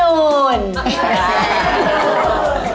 อะไรมั้ยครับ